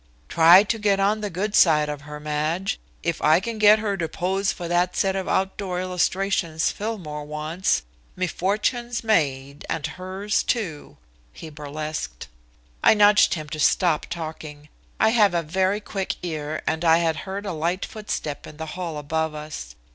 "Try to get on the good side of her, Madge. If I can get her to pose for that set of outdoor illustrations Fillmore wants, me fortune's made, and hers, too," he burlesqued. I nudged him to stop talking. I have a very quick ear, and I had heard a light footstep in the hall above us.